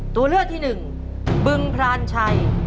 ตัวเลือกที่หนึ่งบึงพรานชัย